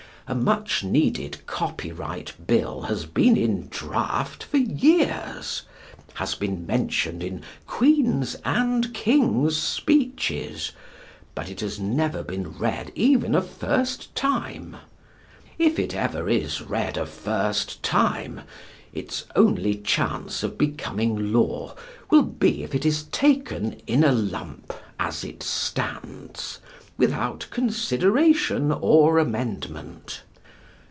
A much needed Copyright Bill has been in draft for years, has been mentioned in Queen's and King's speeches, but it has never been read even a first time. If it ever is read a first time, its only chance of becoming law will be if it is taken in a lump, as it stands, without consideration or amendment.